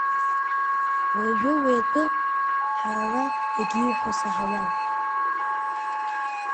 Уажәы уи атәы ҳәа ара егьиҳәо саҳауам.